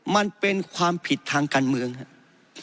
มันเป็นความผิดทางการเมืองครับ